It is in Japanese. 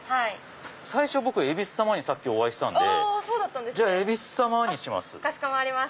最初僕えびす様にお会いしたんで恵比寿にします。